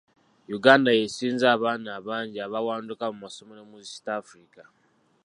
Uganda yeesinza abaana abangi abawanduka mu masomero mu East Africa